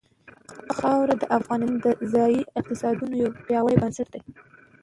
خاوره د افغانستان د ځایي اقتصادونو یو پیاوړی بنسټ دی.